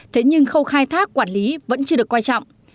thế nhưng khâu khai thác quản lý vẫn chưa được quan trọng